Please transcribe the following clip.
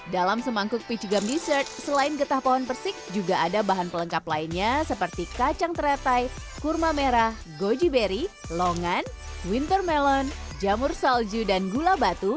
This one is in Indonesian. dalam semangkuk peach gum dessert selain getah pohon persik juga ada bahan pelengkap lainnya seperti kacang teratai kurma merah goji berry longan winter melon jamur salju dan gula batu